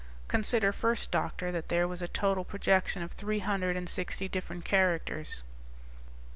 "Consider first, doctor, that there was a total projection of three hundred and sixty different characters.